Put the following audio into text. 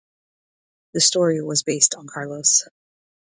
The story was based on Carlos.